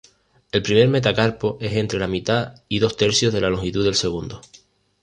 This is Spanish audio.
El primer metacarpo es entre la mitad y dos tercios la longitud del segundo.